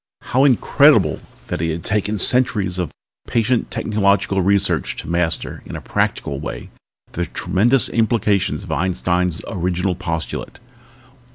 How incredible that it had taken centuries of patient technological research to master in a practical way the tremendous implications of Einstein's original postulate.